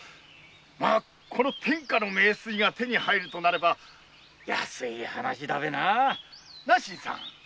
この天下の名水が手に入るならば安い話だべななぁ新さん。